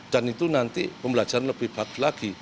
dan itu nanti pembelajaran lebih bagus lagi